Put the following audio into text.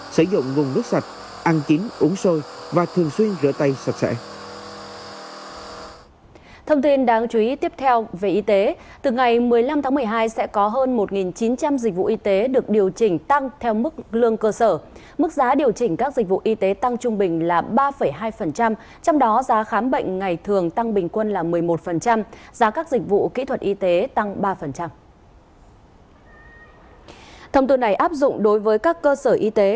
sử dụng nguồn nước sạch ăn chín uống sôi và thường xuyên rửa tay sạch sẽ